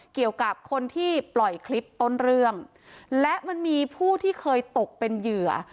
เกี่ยวกับคนที่ปล่อยคลิปต้นเรื่องและมันมีผู้ที่เคยตกเป็นเหยื่อ